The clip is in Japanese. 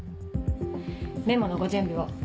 メモのご準備を。